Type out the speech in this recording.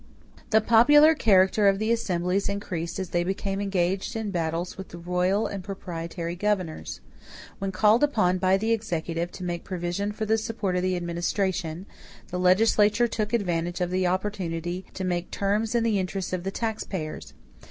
The popular character of the assemblies increased as they became engaged in battles with the royal and proprietary governors. When called upon by the executive to make provision for the support of the administration, the legislature took advantage of the opportunity to make terms in the interest of the taxpayers.